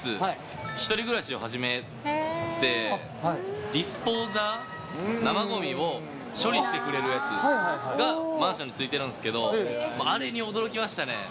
１人暮らしを始めて、ディスポーザー、生ごみを処理してくれるやつがマンションについてるんですけど、あれに驚きましたね。